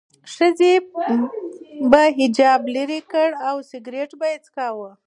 ښځې به حجاب لرې کړ او سیګرټ به څکاوه.